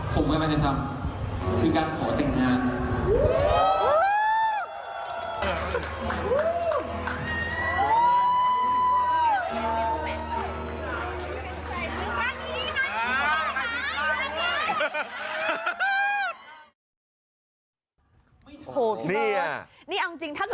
ผมก็ไม่ได้ทำคือการขอแต่งงาน